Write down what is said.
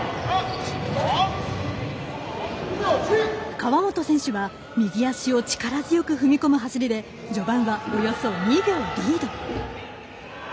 川本選手は右足を力強く踏み込む走りで序盤はおよそ２秒リード。